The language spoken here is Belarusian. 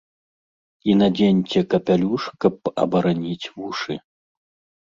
І надзеньце капялюш, каб абараніць вушы.